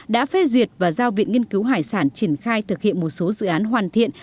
đã phê duyệt và giao viện nghiên cứu hải sản triển khai thực hiện một số dự án hoàn thiện